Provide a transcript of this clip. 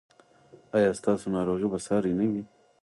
ایا ستاسو ناروغي به ساري نه وي؟